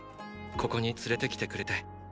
ここに連れてきてくれて。